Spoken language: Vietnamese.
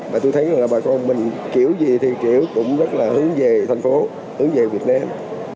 và tôi thấy là bà con mình kiểu gì thì kiểu cũng rất là hướng về thành phố hướng về việt nam